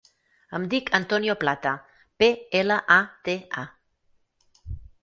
Em dic Antonio Plata: pe, ela, a, te, a.